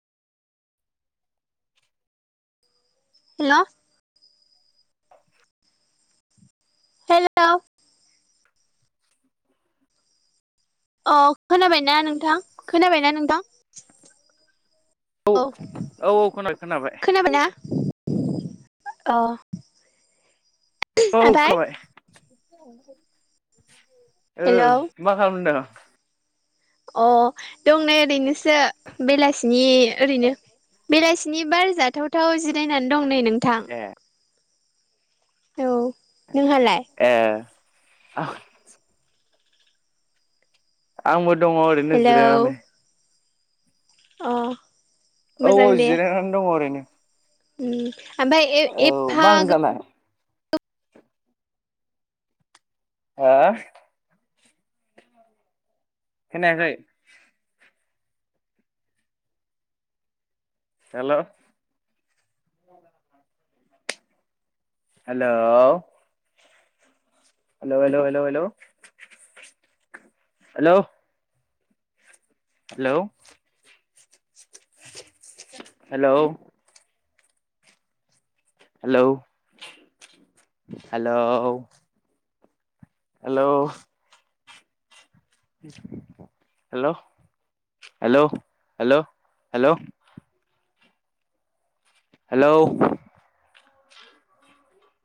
हेल' hello अ खोनाबायना नोंथां खोनाबायना नोंथां औ खोनाबाय ना अ औ ओमफ्राय खोनाबाय हेलौ ओं मा खालामदो [unintelligible] अ दं नै ओरैनोसो बेलासिनि ओरैनो बेलासिनि बार जाथावथाव जिरायनानै दं नै नोंथां ए औ नोंहालाय ए [unintelligible] आंबो दङ' ओरैनो हेलौ जिरायनानै अ औ औ जिरायनानै दङ' ओरैनो उम ओमफाय ए- औ एफा मा ओंख्रि गो जानाय हो खोनायाखै hello hello hello hello hello hello hello hello hello hello hello hello hello hello hello hello hello